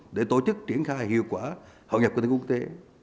để tổ chức triển khai hiệu quả hội nhập kinh tế quốc tế